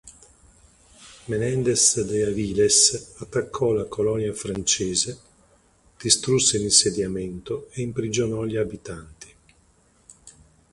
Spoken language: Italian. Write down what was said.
Menéndez de Avilés attaccò la colonia francese, distrusse l'insediamento e imprigionò gli abitanti.